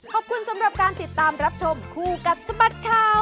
ขอบคุณสำหรับการติดตามรับชมคู่กับสบัดข่าว